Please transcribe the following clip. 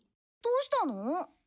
どうしたの？